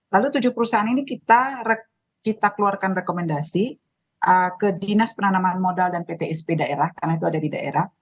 lalu tujuh perusahaan ini kita keluarkan rekomendasi ke dinas penanaman modal dan ptsp daerah karena itu ada di daerah